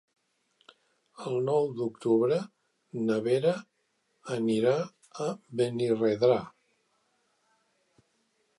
El nou d'octubre na Vera anirà a Benirredrà.